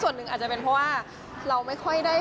จริงต้องมานะคุณ